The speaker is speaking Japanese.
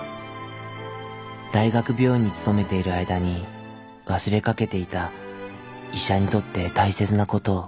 大学病院に勤めている間に忘れかけていた医者にとって大切なことを。